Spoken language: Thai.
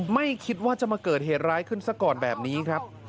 ไม่คิดว่าจะมาเกิดเหตุร้ายขึ้นซะก่อนแบบนี้ครับ